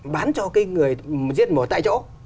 bán cho người giết mổ tại chỗ